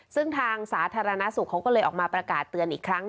ซึ่งทางสาธารณสุขเขาก็เลยออกมาประกาศเตือนอีกครั้ง